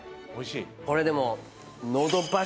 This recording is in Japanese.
これでも。